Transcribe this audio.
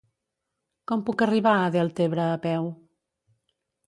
Com puc arribar a Deltebre a peu?